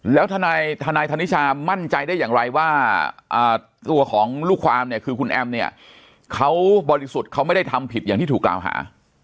แล้วทนายธนิชามั่นใจได้อย่างไรว่าตัวของลูกความเนี่ยคือคุณแอมเนี่ยเขาบริสุทธิ์เขาไม่ได้ทำผิดอย่างที่ถูกกล่าวหา